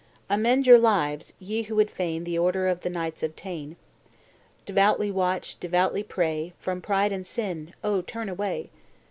Amend your lives, ye who would fain The order of the knights attain; Devoutly watch, devoutly pray; From pride and sin, O, turn away!